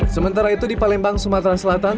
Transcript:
sementara itu di palembang sumatera selatan